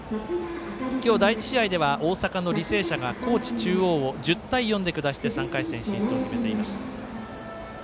今日第１試合では大阪の履正社が高知中央を１０対４で下して３回戦進出を決めています。